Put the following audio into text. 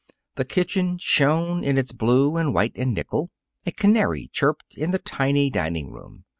The kitchen shone in its blue and white and nickel. A canary chirped in the tiny dining room.